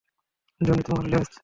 Johnny, তোমার লেজ!